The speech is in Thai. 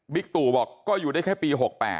ตู่บอกก็อยู่ได้แค่ปี๖๘